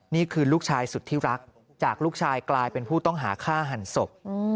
นี่คือลูกชายสุดที่รักจากลูกชายกลายเป็นผู้ต้องหาฆ่าหันศพ